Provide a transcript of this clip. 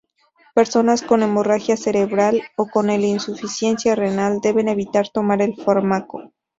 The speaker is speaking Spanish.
Personas con hemorragia cerebral o con insuficiencia renal deben evitar tomar el fármaco.